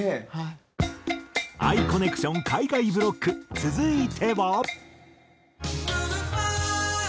「ＡＩコネクション」海外ブロック続いては。